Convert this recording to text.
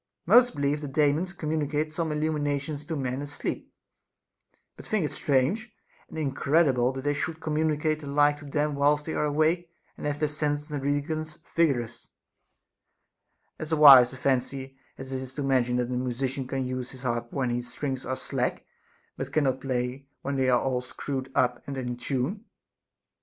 Most believe that Daemons communicate some illumina tions to men asleep, but think it strange and incredible that they should communicate the like to them whilst they are awake and have their senses and reason vigorous ; as wise a fancy as it is to imagine that a musician can use his harp when the strings are slack, but cannot play when they are screwed up and in tune.